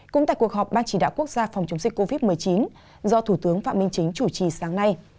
cũng tại cuộc họp ban chỉ đạo quốc gia phòng chống dịch covid một mươi chín do thủ tướng phạm minh chính chủ trì sáng nay